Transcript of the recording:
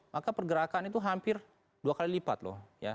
maka pergerakan itu hampir dua kali lipat loh